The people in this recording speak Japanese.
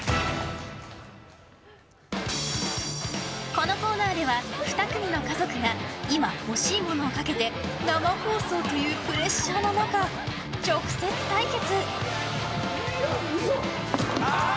このコーナーでは２組の家族が今欲しいものをかけて生放送というプレッシャーの中直接対決。